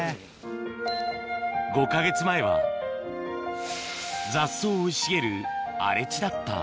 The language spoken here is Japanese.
５か月前は雑草生い茂る荒れ地だった